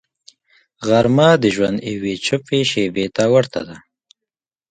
غرمه د ژوند یوې چوپې شیبې ته ورته ده